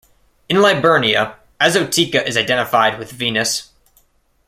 In Liburnia, "Anzotica" is identified with Venus.